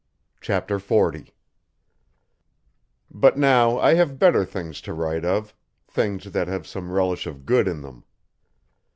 Chapter 40 But now I have better things to write of, things that have some relish of good in them.